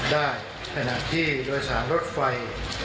ได้ถนัดที่โดยสารลดไฟ